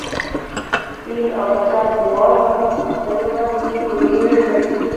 فیل او پاچا دواړه په یوه بکس کې لویږي.